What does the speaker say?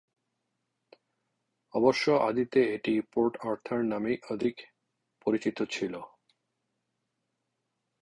অবশ্য আদিতে এটি "পোর্ট আর্থার" নামেই অধিক পরিচিত ছিল।